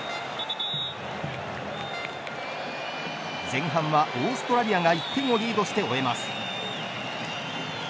前半はオーストラリアが１点をリードして終えます。